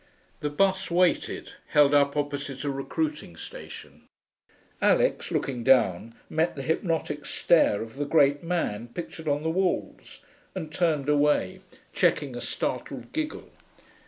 The bus waited, held up opposite a recruiting station. Alix, looking down, met the hypnotic stare of the Great Man pictured on the walls, and turned away, checking a startled giggle.